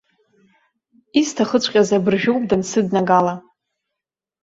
Исҭахыҵәҟьаз абыржәоуп дансыднагала.